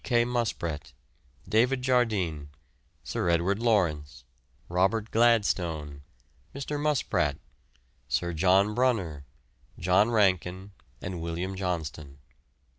K. Muspratt, David Jardine, Sir Edward Lawrence, Robert Gladstone, Mr. Muspratt, Sir John Brunner, John Rankin, and William Johnston.